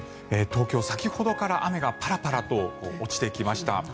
東京、先ほどから雨がパラパラと落ちてきました。